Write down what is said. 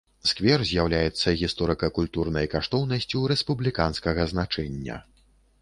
Сквер з'яўляецца гісторыка-культурнай каштоўнасцю рэспубліканскага значэння.